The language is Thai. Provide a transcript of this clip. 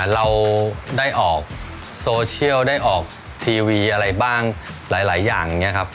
เราได้ออกโซเชียลได้ออกทีวีอะไรบ้างหลายอย่างอย่างนี้ครับ